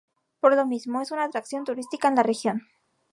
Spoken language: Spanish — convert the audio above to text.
Por lo mismo, es una gran atracción turística en la región.